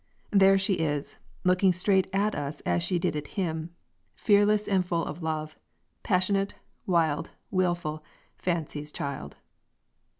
There she is, looking straight at us as she did at him, fearless and full of love, passionate, wild, willful, fancy's child.